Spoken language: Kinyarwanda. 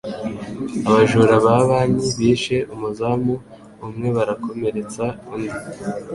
Abajura ba banki bishe umuzamu umwe barakomeretsa undi